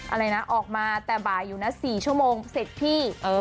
อะไรนะออกมาแต่บ่ายอยู่นะ๔ชั่วโมงเสร็จที่